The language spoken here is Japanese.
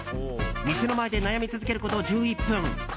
店の前で悩み続けること１１分。